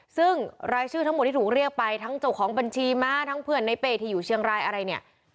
ซึ่งรายชื่อทั้งหมดที่ถูกเรียกไปทั้งเจ้าของบัญชีม้าทั้งเพื่อนในเป้ที่อยู่เชียงรายอะไรเนี่ย